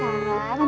terima kasih pak